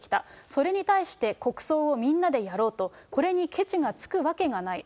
それに対して国葬をみんなでやろうと、これにケチがつくわけがない。